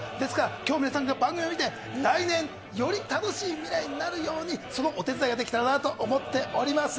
今日の番組を見て来年より楽しい未来になるようにそのお手伝いができたらなと思っています。